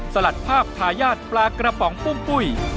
สลัดภาพทายาทปลากระป๋องปุ้งปุ้ย